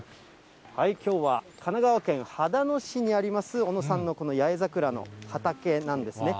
きょうは、神奈川県秦野市にあります、小野さんのこの八重桜の畑なんですね。